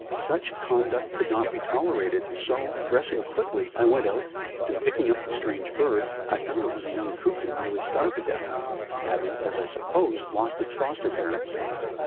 Such conduct could not be tolerated, so, dressing quickly, I went out, and picking up the strange bird I found it was a young cuckoo nearly starved to death, having, as I supposed, lost its foster parents.